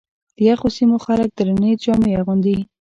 د یخو سیمو خلک درنې جامې اغوندي.